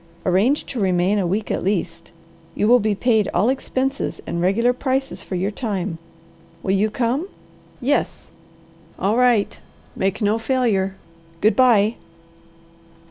Arrange to remain a week at least. You will be paid all expenses and regular prices for your time. Will you come?" "Yes." "All right. Make no failure. Good bye."